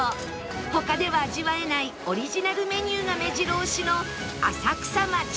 他では味わえないオリジナルメニューがめじろ押しの浅草町中華